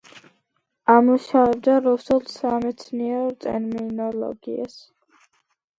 ამუშავებდა რუსულ სამეცნიერო ტერმინოლოგიას.